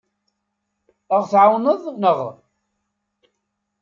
Ad aɣ-tɛawneḍ, naɣ?